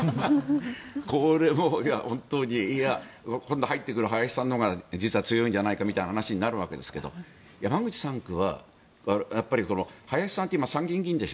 これも本当に今度、入ってくる林さんのほうが強いんじゃないかみたいな話になるわけですが山口３区は林さんって今、参議院議員です。